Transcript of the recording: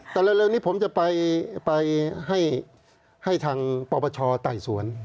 แต่เร็วนี้ผมจะไปให้ทางปปชไต่สวน